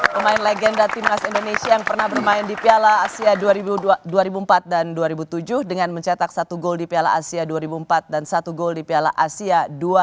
pemain legenda timnas indonesia yang pernah bermain di piala asia dua ribu empat dan dua ribu tujuh dengan mencetak satu gol di piala asia dua ribu empat dan satu gol di piala asia dua ribu dua puluh